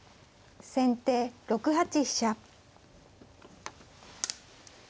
先手６八飛車。